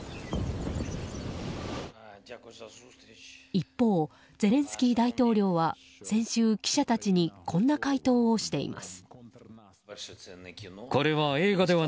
一方、ゼレンスキー大統領は先週、記者たちにこんな回答をしています。